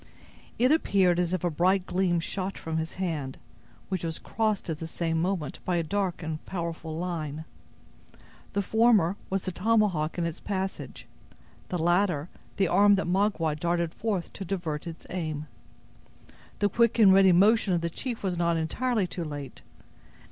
It appeared as if a bright gleam shot from his hand, which was crossed at the same moment by a dark and powerful line. The former was the tomahawk in its passage; the latter the arm that Magua darted forward to divert its aim. The quick and ready motion of the chief was not entirely too late.